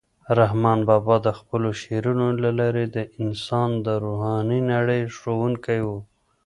رحمان بابا د خپلو شعرونو له لارې د انسان د روحاني نړۍ ښوونکی و.